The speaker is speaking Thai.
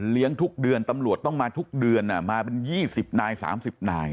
เลี้ยงทุกเดือนตำรวจต้องมาทุกเดือนนะมาเป็น๒๐นาย๓๐นายเนี่ย